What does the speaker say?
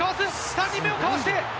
３人目をかわして。